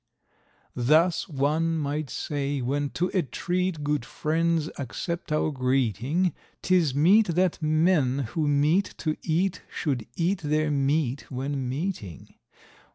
Thus, one might say, when to a treat good friends accept our greeting, 'Tis meet that men who meet to eat should eat their meat when meeting.